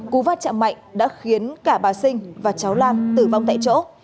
cú va chạm mạnh đã khiến cả bà sinh và cháu lan tử vong tại chỗ